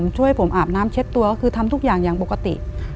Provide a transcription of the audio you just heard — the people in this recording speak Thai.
บอกว่าคุณหมาน้ำเช็ดตัวคือทำทุกอย่างอย่างปกติ